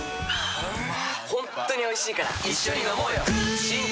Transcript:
ホントにおいしいから一緒にのもうよ